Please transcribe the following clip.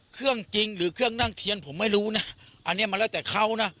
ไม่รู้นะอันนี้มันแล้วแต่เขานะ